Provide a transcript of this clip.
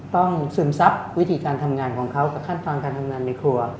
ซึมซับวิธีการทำงานของเขากับขั้นตอนการทำงานในครัว